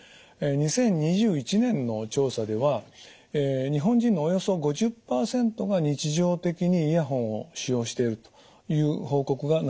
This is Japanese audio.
２０２１年の調査では日本人のおよそ５０％が日常的にイヤホンを使用しているという報告がなされております。